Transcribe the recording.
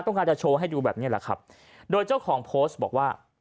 การจะโชว์ให้ดูแบบนี้แหละครับโดยเจ้าของโพสต์บอกว่า